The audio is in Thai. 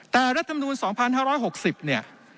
แต่รัฐมนูล๒๕๖๐เนี่ย